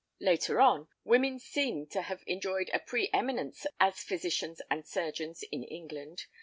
Later on women seem to have enjoyed a pre eminence as physicians and surgeons in England.